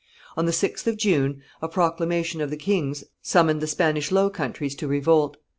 On the 6th of June, a proclamation of the king's summoned the Spanish Low Countries to revolt.